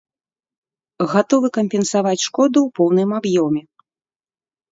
Гатовы кампенсаваць шкоду ў поўным аб'ёме.